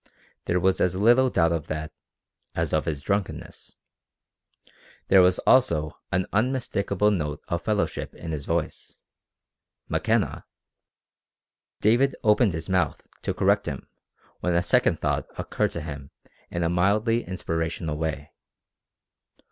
There was as little doubt of that as of his drunkenness. There was also an unmistakable note of fellowship in his voice. McKenna! David opened his mouth to correct him when a second thought occurred to him in a mildly inspirational way.